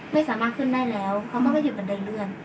ไม่สามารถขึ้นได้แล้วเขาต้องจะหยุดบันไดเลือน